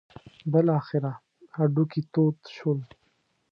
بالاخره یې هډوکي تود شول.